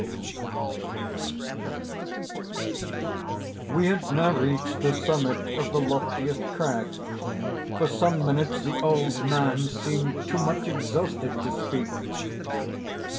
We had now reached the summit of the loftiest crag. For some minutes the old man seemed too much exhausted to speak.